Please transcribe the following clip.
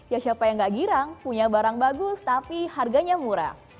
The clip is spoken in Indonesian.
ya siapa yang gak girang punya barang bagus tapi harganya murah